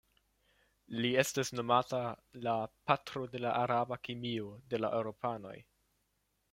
Li estis nomata la "patro de la araba kemio" de la eŭropanoj.